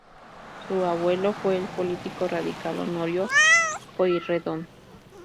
Su abuelo fue el político radical Honorio Pueyrredón.